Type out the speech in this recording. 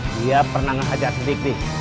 dia pernah mengajak sedikit